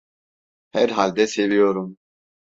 Herhalde seviyorum…